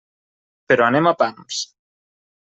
Però anem a pams.